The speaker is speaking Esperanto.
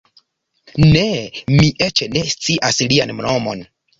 Ne; mi eĉ ne scias lian nomon.